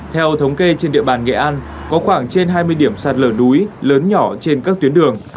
theo thống kê trên địa bàn nghệ an có khoảng trên hai mươi điểm sạt lở núi lớn nhỏ trên các tuyến đường